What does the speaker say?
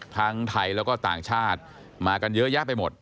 ทั้งไทยแล้วก็ต่างชาติมากันเยอะแยะไปหมด